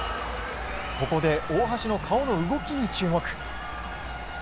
ここで大橋の顔の動きに注目。